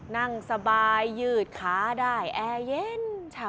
นั่งสบายยืดขาได้แอร์เย็นเช้า